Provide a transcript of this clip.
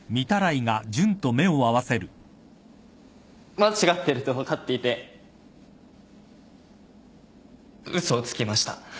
間違ってると分かっていて嘘をつきました。